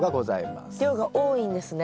量が多いんですね。